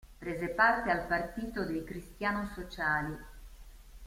Prese parte al partito dei Cristiano Sociali.